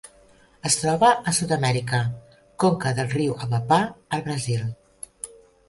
Es troba a Sud-amèrica: conca del riu Amapá al Brasil.